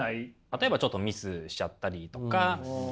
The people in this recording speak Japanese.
例えばちょっとミスしちゃったりとか。